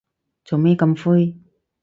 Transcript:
做咩咁灰